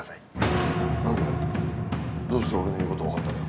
どうして俺の言うこと分かったの？